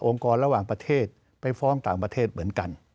กรระหว่างประเทศไปฟ้องต่างประเทศเหมือนกัน